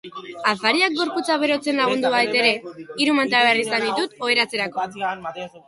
Afariak gorputza berotzen lagundu badit ere, hiru manta behar izan ditut oheratzerakoan.